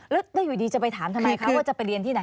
แล้วอยู่ดีจะไปถามทำไมคะว่าจะไปเรียนที่ไหน